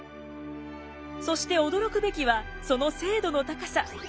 そして驚くべきはその精度の高さ。